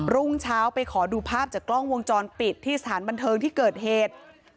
รุ่งเช้าไปขอดูภาพจากกล้องวงจรปิดที่สถานบันเทิงที่เกิดเหตุ